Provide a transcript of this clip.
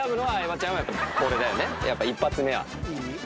やっぱ一発目は。